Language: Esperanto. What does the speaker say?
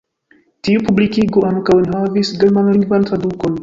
Tiu publikigo ankaŭ enhavis germanlingvan tradukon.